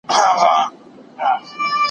په روغتون کي ملاقات ولي محدود دی؟